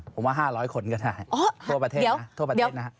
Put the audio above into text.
ผมว่า๕๐๐คนก็ได้ทั่วประเทศนะทั่วประเทศนะฮะ